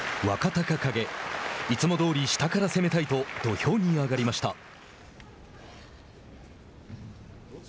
若隆景、いつもどおり下から攻めたいと土俵に上がりました。